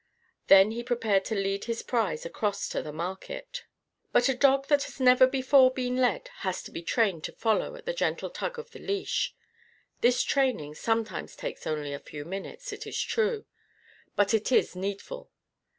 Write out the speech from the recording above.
Then he prepared to lead his prize across to the market. But a dog that has never before been led has to be trained to follow at the gentle tug of the leash. This training sometimes takes only a few minutes, it is true. But it is needful.